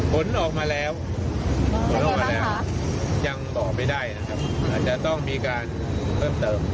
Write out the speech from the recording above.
ผลออกมาแล้วยังตอบไม่ได้นะครับอาจจะต้องมีการเพิ่มเติม